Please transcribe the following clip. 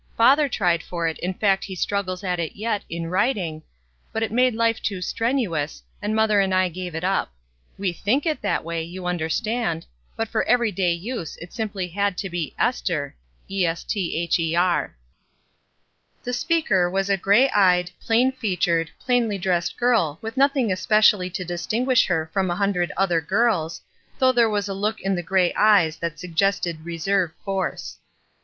Father tried for it, m fact he struggles at it yet, in writmg, but it made life too strenuous, and mother and I gave it up. We think it that way, you understand, but for everyday use it amply had to be 'Esther.'" The speaker was a gray eyed, plain featured, plainly dressed girl with nothing especially to distingmsh her from a hundred other girls, although there was a look in the gray eyes that suggested reserve force.